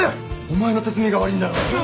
お前の説明が悪いんだろ。